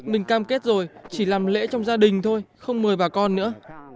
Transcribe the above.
mình cam kết rồi chỉ làm lễ trong gia đình thôi không mời bà con nữa